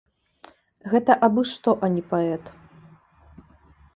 Гэта абы што, а не паэт!